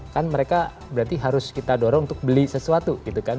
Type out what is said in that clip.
kan mereka berarti harus kita dorong untuk beli sesuatu gitu kan